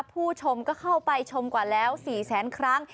ผู้ชมก็เข้าไปชมกว่าแล้ว๔แสนครั้ง